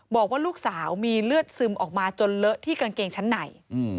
บอกว่าลูกสาวมีเลือดซึมออกมาจนเลอะที่กางเกงชั้นใน